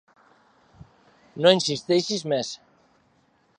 No insisteixis més.